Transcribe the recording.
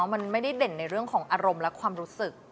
มันไม่ได้เด่นในเรื่องของอารมณ์และความรู้สึก